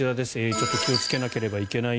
ちょっと気をつけなければいけない